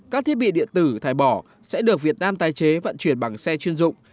các thiết bị điện tử thải bỏ sẽ được việt nam tái chế vận chuyển bằng xe chuyên dụng